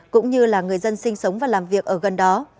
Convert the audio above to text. cũng như là người dân sinh sống và làm việc ở gần đó